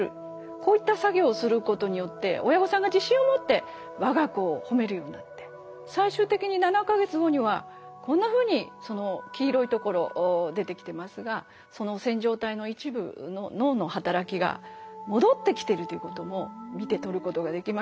こういった作業をすることによって親御さんが自信を持って我が子を褒めるようになって最終的に７か月後にはこんなふうに黄色いところ出てきてますがその線条体の一部の脳の働きが戻ってきてるということも見て取ることができました。